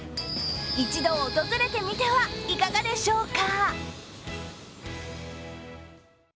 一度訪れてみてはいかがでしょうか？